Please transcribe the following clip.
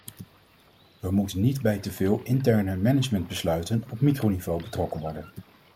We moeten niet bij te veel interne managementbesluiten op microniveau betrokken worden.